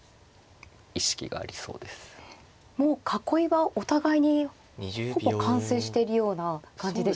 もう囲いはお互いにほぼ完成しているような感じでしょうか。